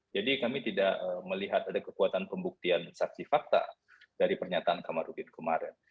jadi kami tidak melihat ada kekuatan pembuktian saksi fakta dari pernyataan kamarudin kemarin